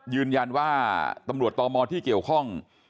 ยืนยันว่าตำรวจตมที่เกี่ยวข้อง